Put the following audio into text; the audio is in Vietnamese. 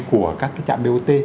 của các cái trạm bot